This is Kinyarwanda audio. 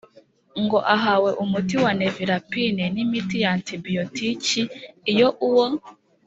ngo ahabwe umuti wa Nevirapine n imiti ya antibiyotiki iyo uwo